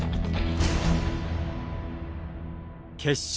決勝。